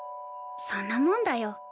そんなもんだよ。